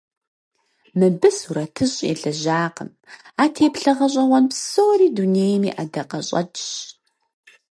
Мыбы сурэтыщӀ елэжьакъым; а теплъэ гъэщӀэгъуэн псори дунейм и ӀэдакъэщӀэкӀщ.